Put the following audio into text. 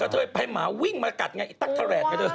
กับเธอยังไงไปหมาวิ่งมากัดไงไอ้ตั๊กทะแหลก